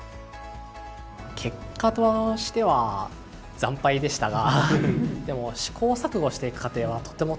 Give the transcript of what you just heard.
結果としては惨敗でしたがでも試行錯誤していく過程はとても楽しかったですね。